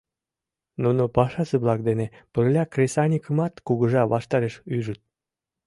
Нуно пашазе-влак дене пырля кресаньыкымат кугыжа ваштареш ӱжыт.